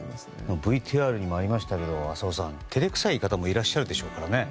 ＶＴＲにもありましたが浅尾さん、照れくさい方もいらっしゃるでしょうからね。